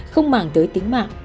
không màng tới tính mạng